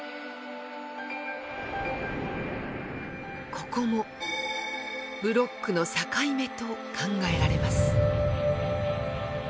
ここもブロックの境目と考えられます。